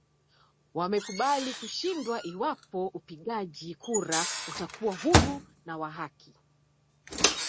Wamekubali kushindwa iwapo upigaji kura utakuwa huru na wa haki